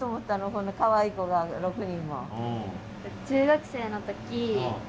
こんなかわいい子が６人も。